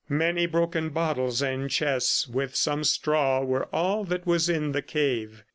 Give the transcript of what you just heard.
Many broken bottles and chests with some straw were all that was in the cave.